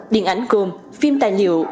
điện ảnh gồm phim tài liệu